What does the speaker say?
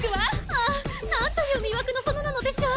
ああなんという魅惑の園なのでしょう。